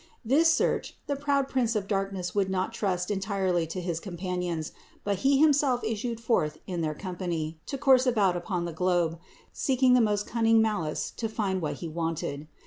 This search the proud prince of darkness would not trust entirely to his companions, but he himself issued forth in their company to course about upon the globe, seeking with the most cunning malice to find what he wanted.